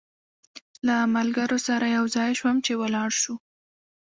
له ملګرو سره یو ځای شوم چې ولاړ شو.